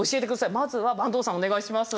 まずは坂東さんお願いします。